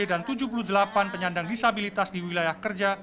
dan tujuh puluh delapan penyandang disabilitas di wilayah kerja